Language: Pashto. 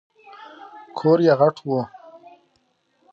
کور یې غټ و .